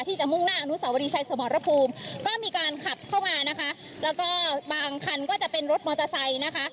ที่จะมุ่งหน้าอนุสาวรีชัยสมรภูมิก็มีการขับเข้ามานะคะแล้วก็บางคันก็จะเป็นรถมอเตอร์ไซค์นะคะ